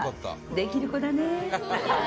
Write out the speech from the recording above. できる子だね。